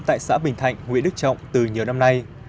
tại xã bình thạnh huyện đức trọng từ nhiều năm nay